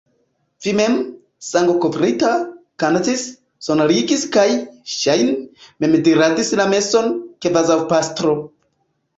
Vi mem, sangkovrita, kantis, sonorigis kaj, ŝajne, mem diradis la meson, kvazaŭ pastro.